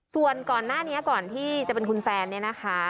ส่วนก่อนหน้านี้ก่อนที่จะเป็นคุณแซนเนี่ยนะคะ